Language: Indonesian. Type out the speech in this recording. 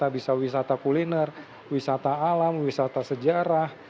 bisa wisata kuliner wisata alam wisata sejarah